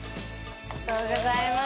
おめでとうございます。